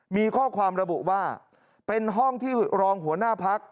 มีข้อความระบุว่าเป็นห้องที่รองหัวหน้าพัก